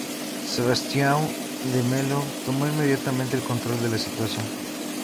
Sebastião de Melo tomó inmediatamente el control de la situación.